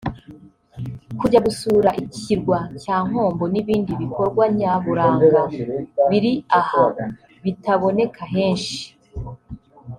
kujya gusura ikirwa cya Nkombo n’ibindi bikorwa nyaburanga biri aha bitaboneka henshi